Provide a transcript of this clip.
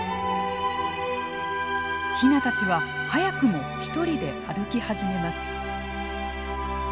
ヒナたちは早くも一人で歩き始めます。